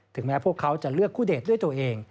แม้พวกเขาจะเลือกคู่เดทด้วยตัวเอง